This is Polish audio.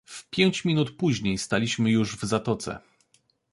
"W pięć minut później staliśmy już w zatoce."